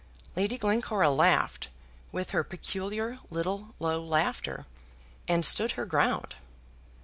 Lady Glencora laughed with her peculiar little low laughter, and stood her ground.